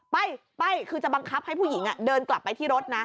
ไปไปคือจะบังคับให้ผู้หญิงเดินกลับไปที่รถนะ